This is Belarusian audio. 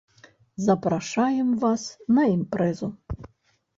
Запрашаем вас на імпрэзу.